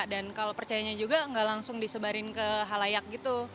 kalau percayanya juga nggak langsung disebarin ke halayak gitu